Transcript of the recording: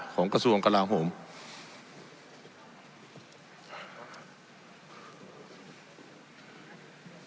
ของกระทรวงกราหงษ์